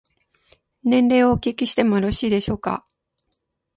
年齢をお聞きしてもよろしいでしょうか。